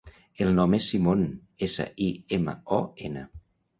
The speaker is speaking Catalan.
El nom és Simon: essa, i, ema, o, ena.